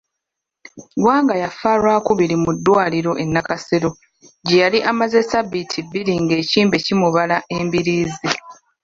Gwanga yafa Lwakubiri mu ddwaliro e Nakasero gye yali amaze ssabbiiti bbiri ng'ekimbe kimubala embiriizi.